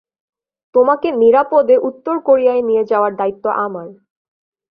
তোমাকে নিরাপদে উত্তর কোরিয়ায় নিয়ে যাওয়ার দায়িত্ব আমার।